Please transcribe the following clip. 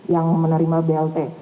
yang menerima blt